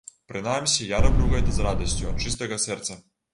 Прынамсі, я раблю гэта з радасцю, ад чыстага сэрца.